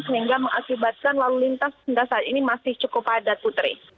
sehingga mengakibatkan lalu lintas hingga saat ini masih cukup padat putri